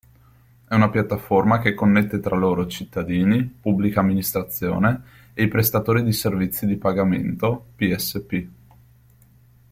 È una piattaforma che connette tra loro cittadini, Pubblica Amministrazione e i Prestatori di Servizi di Pagamento (PSP).